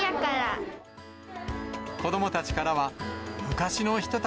子どもたちからは、昔の人た